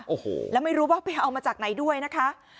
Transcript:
โอ้โหแล้วไม่รู้ว่าไปเอามาจากไหนด้วยนะคะ